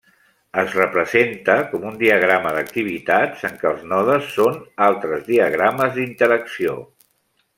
Es representa com un diagrama d'activitats en què els nodes són altres diagrames d'interacció.